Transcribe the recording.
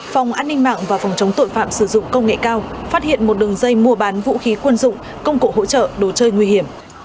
phòng an ninh mạng và phòng chống tội phạm sử dụng công nghệ cao phát hiện một đường dây mua bán vũ khí quân dụng công cụ hỗ trợ đồ chơi nguy hiểm